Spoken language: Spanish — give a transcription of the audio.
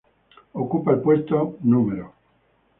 Ocupa el puesto no.